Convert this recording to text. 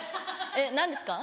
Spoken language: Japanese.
えっ何ですか？